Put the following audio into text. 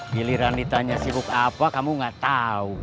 giliran ditanya sibuk apa kamu gak tahu